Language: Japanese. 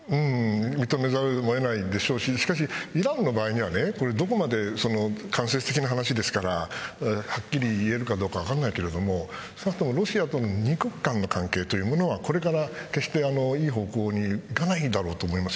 認めざるを得ないでしょうしイランの場合ではどこまで間接的な話ですからはっきり言えるか分からないけど少なくともロシアとの二国間の関係はこれから決して、いい方向にはいかないんだろうと思います。